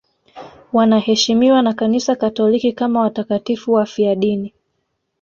Wanaheshimiwa na Kanisa Katoliki kama watakatifu wafiadini.